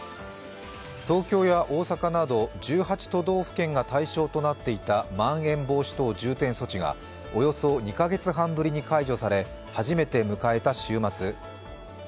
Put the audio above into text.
東京や大阪など１８都道府県が対象となっていたまん延防止等重点措置がおよそ２カ月半ぶりに解除され、初めて迎えた週末。